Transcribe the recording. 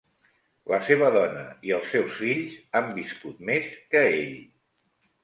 La seva dona i els seus fills han viscut més que ell.